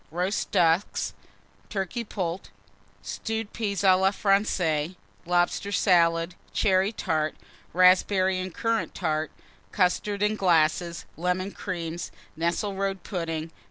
Roast Ducks. Turkey Poult. Stewed Peas à la Francaise. Lobster Salad. Cherry Tart. Raspberry and Currant Tart. Custards, in glasses. Lemon Creams. Nesselrode Pudding.